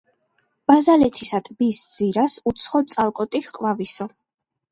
ბაზალეთისა ტბის ძირას უცხო წალკოტი ჰყვავისო.